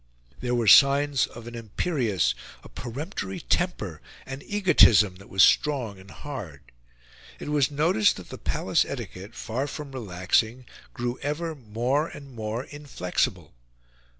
There were signs of an imperious, a peremptory temper, an egotism that was strong and hard. It was noticed that the palace etiquette, far from relaxing, grew ever more and more inflexible.